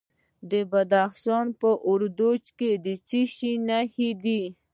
د بدخشان په وردوج کې د څه شي نښې دي؟